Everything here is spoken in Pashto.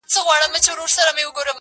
شېخه! د دې داسې خطا، څۀ مطلب